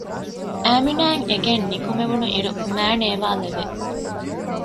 އާމިނާއަށް އެގެއިން ނިކުމެވުނު އިރު މައިނޭވާ ލެވެ